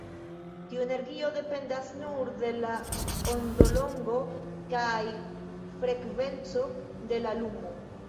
Tiu energio dependas nur de la ondolongo kaj frekvenco de la lumo.